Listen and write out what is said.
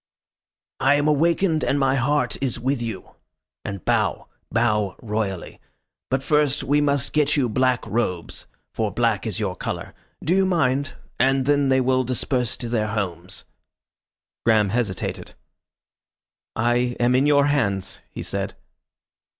"'I am awakened and my heart is with you.' And bow bow royally. But first we must get you black robes for black is your colour. Do you mind? And then they will disperse to their homes." Graham hesitated. "I am in your hands," he said.